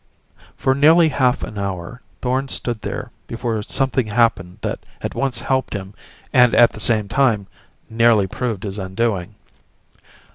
For nearly half an hour Thorn stood there before something happened that at once helped him, and, at the same time, nearly proved his undoing.